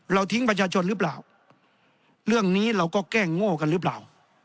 ทิ้งประชาชนหรือเปล่าเรื่องนี้เราก็แก้โง่กันหรือเปล่า